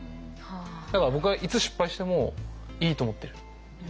だから僕はいつ失敗してもいいと思ってる。